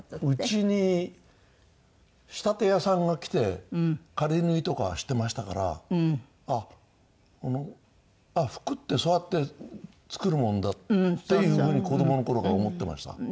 うちに仕立屋さんが来て仮縫いとかしてましたからあっ服ってそうやって作るもんだっていう風に子どもの頃から思ってました。